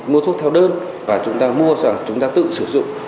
mua thuốc theo đơn và chúng ta mua rằng chúng ta tự sử dụng